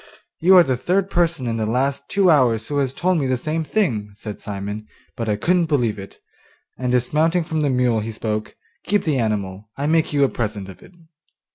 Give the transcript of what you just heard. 'You are the third person in the last two hours who has told me the same thing,' said Simon, 'but I couldn't believe it,' and dismounting from the mule he spoke: 'Keep the animal, I make you a present of it.